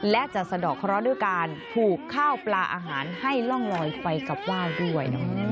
และจะสะดอกเคราะห์ด้วยการผูกข้าวปลาอาหารให้ล่องลอยไปกับว่าวด้วย